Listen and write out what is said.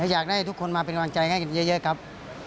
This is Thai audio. อยากได้ทุกคนมาเป็นกำลังใจให้กันเยอะครับ